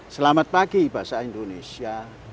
selamat pagi bahasa indonesia